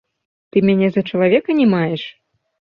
Ты мяне за чалавека не маеш?